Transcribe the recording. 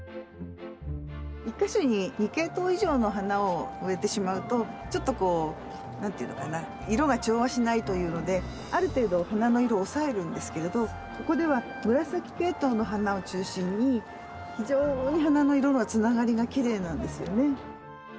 １か所に２系統以上の花を植えてしまうとちょっとこう何ていうのかな色が調和しないというのである程度花の色を抑えるんですけれどここでは紫系統の花を中心に非常に花の色のつながりがきれいなんですよね。